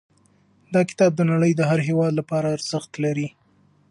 دا کتاب د نړۍ د هر هېواد لپاره ارزښت لري.